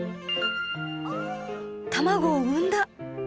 卵を産んだ！